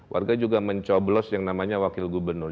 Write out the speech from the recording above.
warga juga mencoblos yang namanya wakil gubernur